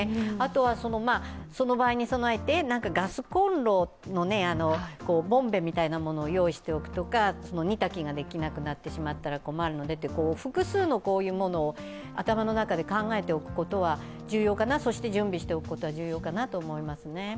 あとは、その場合に備えてガスこんろのボンベみたいなものを用意しておくとか、煮炊きができなくなってしまったら困るので、複数のこういうものを頭の中で考えておくことは重要かなそして準備しておくことは重要かなと思いますね。